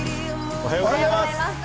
おはようございます。